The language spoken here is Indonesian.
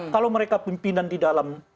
kalau mereka pimpinan di dalam